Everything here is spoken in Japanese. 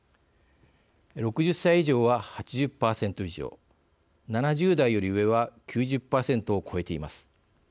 ６０歳以上は８０％以上７０代より上は９０％を超えています。